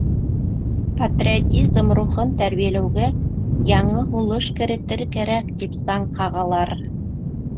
Патриотизм рухын тәрбиәләүгә яңы һулыш керетеү кәрәк, тип саң ҡағалар.